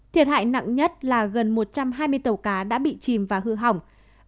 thiệt hại nặng nhất là gần một trăm hai mươi tàu cá đã bị chìm và hư hỏng